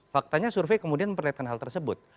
faktanya survei kemudian memperlihatkan hal tersebut